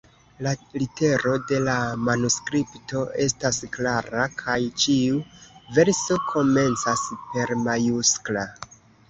La litero de la manuskripto estas klara kaj ĉiu verso komencas per majuskla.